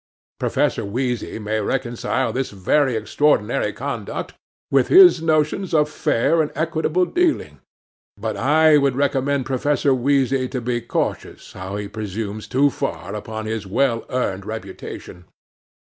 Professor Wheezy may reconcile this very extraordinary conduct with his notions of fair and equitable dealing, but I would recommend Professor Wheezy to be cautious how he presumes too far upon his well earned reputation.